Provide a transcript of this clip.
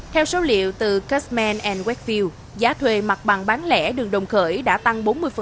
theo số liệu từ custman wefield giá thuê mặt bằng bán lẻ đường đồng khởi đã tăng bốn mươi